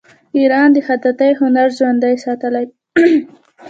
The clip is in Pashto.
ایران د خطاطۍ هنر ژوندی ساتلی.